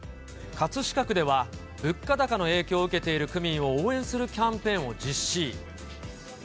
葛飾区では、物価高の影響を受けている区民を応援するキャンペーンを実施。